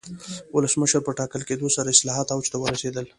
ولسمشر په ټاکل کېدو سره اصلاحات اوج ته ورسېدل.